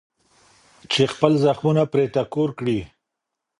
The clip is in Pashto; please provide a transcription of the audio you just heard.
چې خپل زخمونه پرې ټکور کړي.